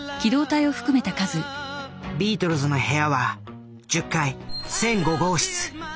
ビートルズの部屋は１０階１００５号室。